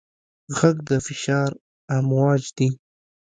غږ د فشار امواج دي.